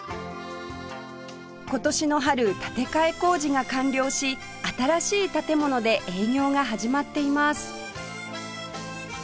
今年の春建て替え工事が完了し新しい建物で営業が始まっています